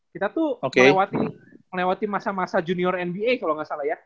kita tuh melewati masa masa junior nba kalau nggak salah ya